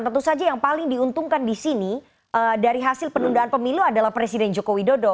dan tentu saja yang paling diuntungkan di sini dari hasil penundaan pemilu adalah presiden joko widodo